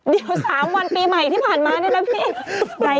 เดี๋ยว๓วันปีใหม่ที่ผ่านมานี่นะพี่